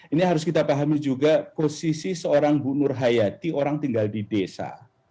ini harus kita pahami juga posisi seorang bu nur hayati orang tinggal di desa